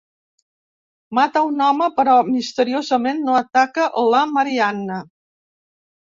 Mata a un home però misteriosament no ataca la Marianne.